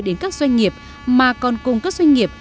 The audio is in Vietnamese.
đến các doanh nghiệp mà còn cùng các doanh nghiệp